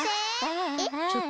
えっ？